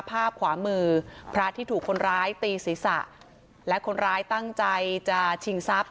ภาพขวามือพระที่ถูกคนร้ายตีศีรษะและคนร้ายตั้งใจจะชิงทรัพย